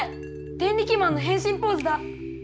デンリキマンのへんしんポーズだ。